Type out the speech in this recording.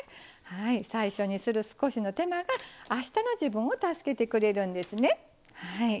最初にする少しの手間があしたの自分を助けてくれるんですね。